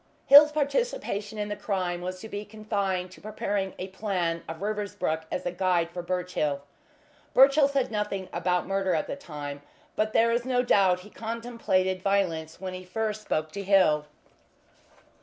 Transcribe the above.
Hill's participation in the crime was to be confined to preparing a plan of Riversbrook as a guide for Birchill. Birchill said nothing about murder at this time, but there is no doubt he contemplated violence when he first spoke to Hill.